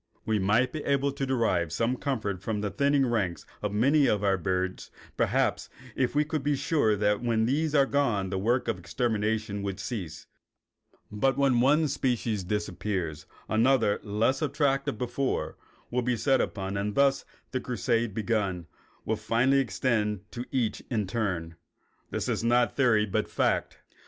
We might be able to derive some comfort from the thinning ranks of many of our birds, perhaps, if we could be sure that when these were gone the work of extermination would cease. But when one species disappears another, less attractive before, will be set upon, and thus the crusade, once begun, will finally extend to each in turn. This is not theory but fact.